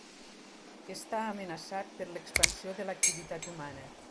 Està amenaçat per l'expansió de l'activitat humana.